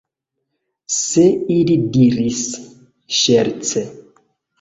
Se ili diris ŝerce.